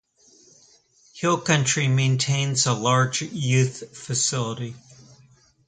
Hill Country maintains a large youth facility.